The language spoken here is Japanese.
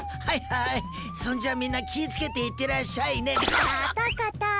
はいそんじゃみんな気ぃつけていってらっしゃいねぐぁっ！